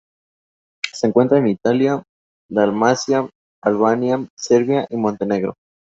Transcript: Se encuentra en Italia, Dalmacia, Albania, Serbia y Montenegro.